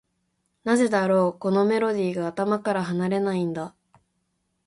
なぜだろう、このメロディーが頭から離れないんだ。